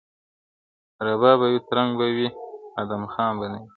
رباب به وي ترنګ به پردی وي آدم خان به نه وي.